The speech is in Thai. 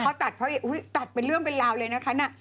พอตัดเพราะตัดเป็นเรื่องเป็นราวเลยนะคะน่ะ